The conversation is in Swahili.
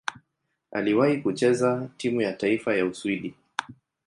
Aliwahi kucheza timu ya taifa ya Uswidi.